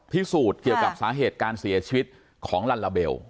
พิสูจน์เกี่ยวกับสาเหตุการเสียชีวิตของลัลลาเบล